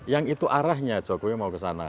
yang itu arahnya jokowi mau ke sana